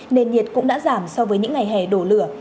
nền nhiệt cũng đã giảm so với những ngày hè đổ lửa